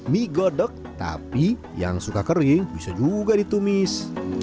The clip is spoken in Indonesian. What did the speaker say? mie godok tapi yang suka kering bisa juga ditumis